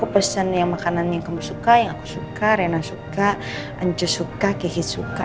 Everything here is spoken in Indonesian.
pesan makanan yang kamu suka yang aku suka rena suka anja suka gigi suka